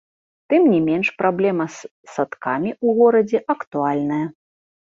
Тым не менш праблема з садкамі ў горадзе актуальная.